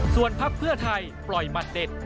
ส่วนพักเพื่อไทยปล่อยหมัดเด็ด